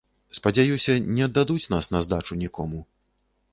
Спадзяюся, не аддадуць нас на здачу нікому.